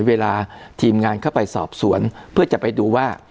เวลาทีมงานเข้าไปสอบสวนเพื่อจะไปดูว่า